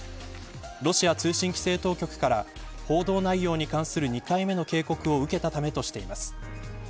ロシア通信規制当局から報道内容に関する２回目の警告を受けたためとしています。